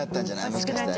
もしかしたら。